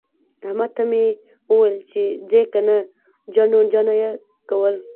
احمد ته مې وويل چې ځې که نه؟ جڼه جڼه يې کول.